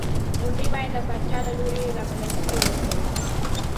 غونډې باید د پاچا له لوري رابلل شوې وې.